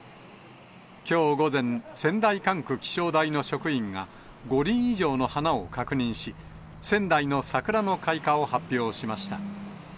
きょう午前、仙台管区気象台の職員が、５輪以上の花を確認し、仙台の桜の開花を発表しました。